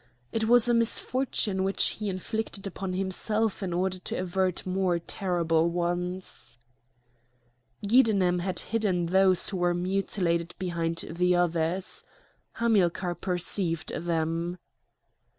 It was a misfortune which he inflicted upon himself in order to avert more terrible ones. Giddenem had hidden those who were mutilated behind the others. Hamilcar perceived them.